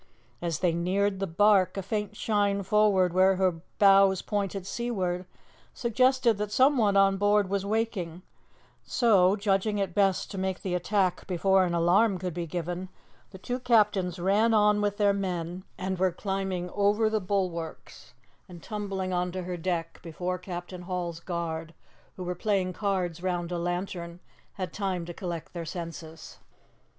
As they neared the barque, a faint shine forward where her bows pointed seaward suggested that someone on board was waking, so, judging it best to make the attack before an alarm could be given, the two captains ran on with their men, and were climbing over the bulwarks and tumbling on to her deck before Captain Hall's guard, who were playing cards round a lantern, had time to collect their senses.